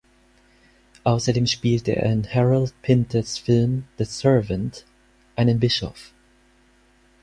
Außerdem spielte er in Harold Pinters Film "The Servant" einen Bischof.